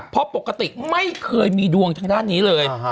เพราะปกติไม่เคยมีดวงทางด้านนี้เลย